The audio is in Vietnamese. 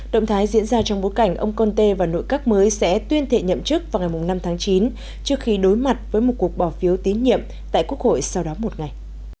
động thái diễn ra trong bối cảnh ông conte và nội các mới sẽ tuyên thệ nhậm chức vào ngày năm tháng chín trước khi đối mặt với một cuộc bỏ phiếu tín nhiệm tại quốc hội sau đó một ngày